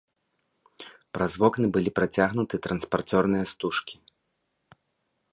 Праз вокны былі працягнуты транспарцёрныя стужкі.